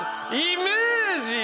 イメージ！